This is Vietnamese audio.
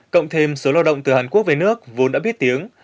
cộng thêm số lao động từ hàn quốc về nước vốn đã biết tiếng